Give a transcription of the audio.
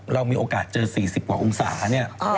เรามีโอกาสเจอ๔๐กว่าองศาเนี่ย